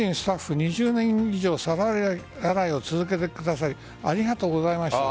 ２０年以上皿洗いを続けてくださりありがとうございました。